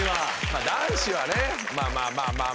まあ男子はね。まあまあ。